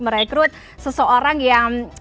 merekrut seseorang yang